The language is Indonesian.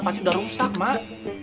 pasti udah rusak mak